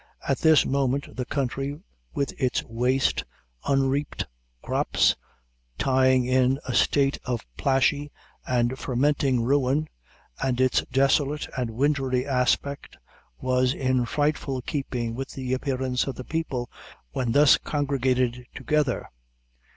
At this moment the country, with its waste, unreaped crops, tying in a state of plashy and fermenting ruin, and its desolate and wintry aspect, was in frightful keeping with the appearance of the people when thus congregated together.